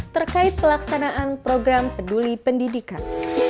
terkait pelaksanaan program peduli pendidikan